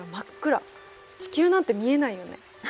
地球なんて見えないよね。